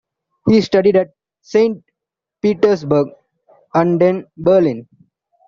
He studied at Saint Petersburg and then Berlin.